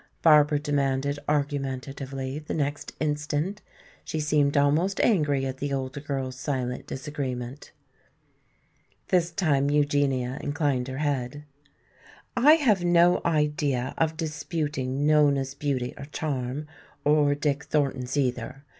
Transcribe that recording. Barbara demanded argumentatively the next instant. She seemed almost angry at the older girl's silent disagreement. This time Eugenia inclined her head. "I have no idea of disputing Nona's beauty or charm, or Dick Thornton's either.